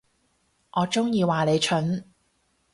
我中意話你蠢